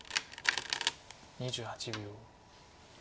２８秒。